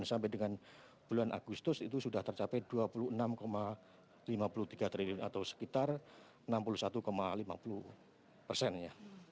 sampai dengan bulan agustus itu sudah tercapai dua puluh enam lima puluh tiga triliun atau sekitar enam puluh satu lima puluh persen ya